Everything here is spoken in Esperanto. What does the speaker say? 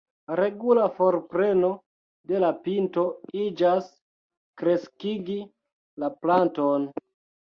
Regula forpreno de la pinto iĝas kreskigi la planton.